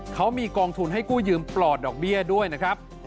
เขามีกองทุนให้กู้ยืมปลอดดอกเบี้ยด้วยนะครับ